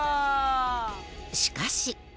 しかし。